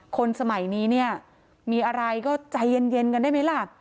คนสมัยนี้เนี่ยมีอะไรก็ใจเย็นกันได้ไหมล่ะ